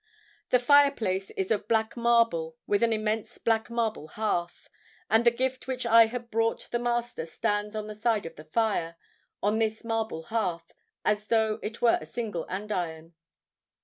The fireplace is of black marble with an immense black marble hearth. And the gift which I had brought the Master stands on one side of the fire, on this marble hearth, as though it were a single andiron."